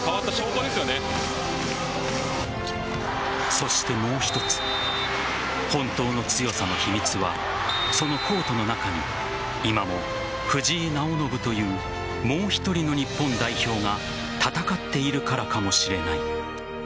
そしてもう一つ本当の強さの秘密はそのコートの中に今も藤井直伸というもう１人の日本代表が戦っているからかもしれない。